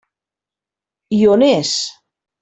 I on és?